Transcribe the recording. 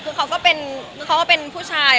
ก็เลยเอาข้าวเหนียวมะม่วงมาปากเทียน